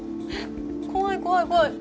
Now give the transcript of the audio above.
怖い怖い怖い。